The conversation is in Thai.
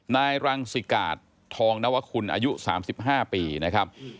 นายรังสิกาศทองนวคุณอายุ๓๕ปีนะครับ